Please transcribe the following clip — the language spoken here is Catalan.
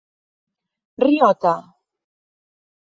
Riota